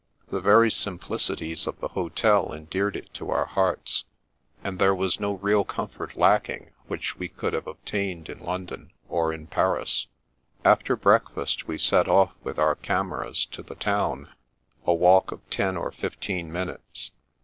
The very simplicities of the hotel endeared it to our hearts, and there was no real comfort lacking which we could have obtained in London or in Paris. After breakfast we set off with our cameras to the town, a walk of ten or fifteen minutes.